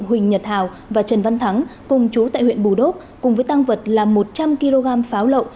huỳnh nhật hào và trần văn thắng cùng chú tại huyện bù đốp cùng với tăng vật là một trăm linh kg pháo lậu